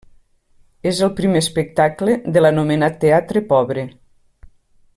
És el primer espectacle de l’anomenat teatre pobre.